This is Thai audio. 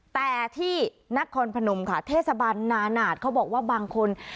แต่ที่นครพนมค่ะเทศบาลนาหนาดเขาบอกว่าบางคน